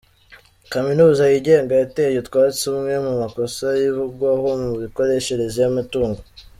Kaminuza yigenga yateye utwatsi amwe mu makosa ivugwaho mu mikoreshereze y’umutungo